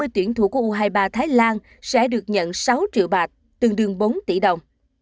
sáu mươi tuyển thủ của u hai mươi ba thái lan sẽ được nhận sáu triệu bạc tương đương bốn tỷ đồng